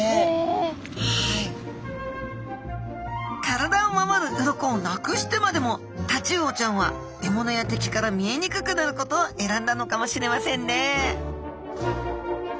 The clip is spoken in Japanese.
体を守る鱗をなくしてまでもタチウオちゃんは獲物や敵から見えにくくなることを選んだのかもしれませんね